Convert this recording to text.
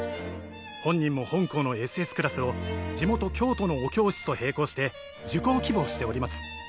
本人も本校のＳＳクラスを地元京都のお教室と並行して受講希望しております。